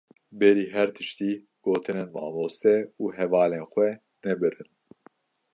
Berî her tiştî, gotinên mamoste û hevalên xwe nebirin.